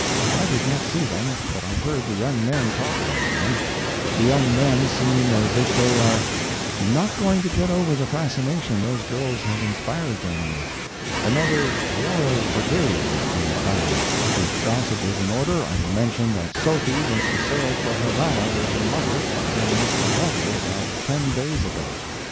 I did not see them, but I heard the young men talk about them—the young men seem as if they are not going to get over the fascination those girls have inspired them with. Another "Worrell Brigade" is being found. If gossip is in order, I will mention that Sophy was to sail for Havana with her mother and a Mr. Lovell, about 10 days ago.